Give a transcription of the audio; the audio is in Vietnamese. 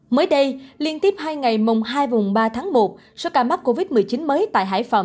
mới đây liên tiếp hai ngày mùng hai và mùng ba tháng một số ca mắc covid một mươi chín mới tại hải phòng